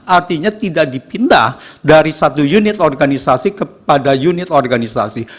artinya tidak dipindah dari satu unit organisasi kepada unit organisasi